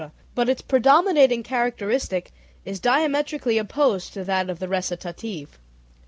but its predominating characteristic is diametrically opposed to that of the recitative.